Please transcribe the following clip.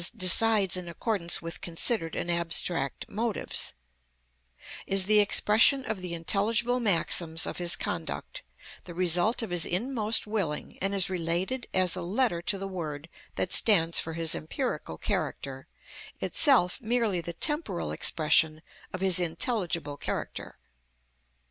_, decides in accordance with considered and abstract motives,—is the expression of the intelligible maxims of his conduct, the result of his inmost willing, and is related as a letter to the word that stands for his empirical character, itself merely the temporal expression of his intelligible character.